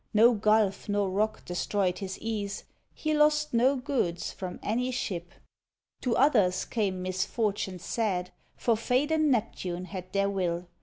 No gulf nor rock destroyed his ease; He lost no goods, from any ship. To others came misfortunes sad, For Fate and Neptune had their will.